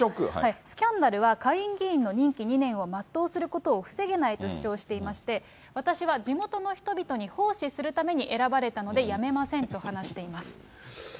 スキャンダルは下院議員の任期２年を全うすることを防げないと主張していまして、私は地元の人々に奉仕するために選ばれたので辞めませんと話しています。